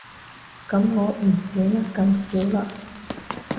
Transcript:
噉我唔止呃咁少了